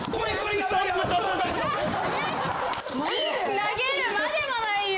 投げるまでもないよ。